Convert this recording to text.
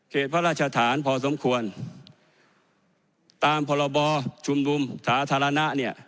พระราชฐานพอสมควรตามพรบชุมนุมสาธารณะเนี่ย